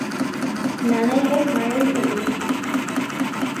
நனைய மழை பெய்யும்!